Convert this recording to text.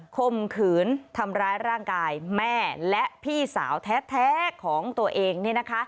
ข่มขืนทำร้ายร่างกายแม่และพี่สาวแท้ของตัวเอง